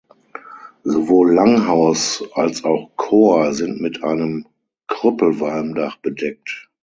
Sowohl Langhaus als auch Chor sind mit einem Krüppelwalmdach bedeckt.